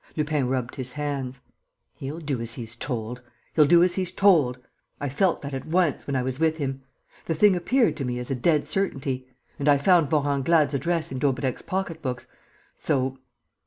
'" Lupin rubbed his hands: "He'll do as he's told!... He'll do as he's told!... I felt that at once, when I was with him. The thing appeared to me as a dead certainty. And I found Vorenglade's address in Daubrecq's pocket books, so